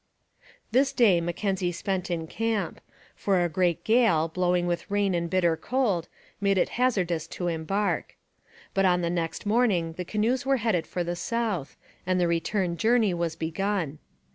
This day Mackenzie spent in camp, for a great gale, blowing with rain and bitter cold, made it hazardous to embark. But on the next morning the canoes were headed for the south, and the return journey was begun.